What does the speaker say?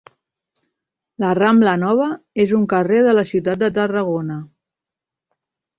La Rambla Nova és un carrer de la ciutat de Tarragona.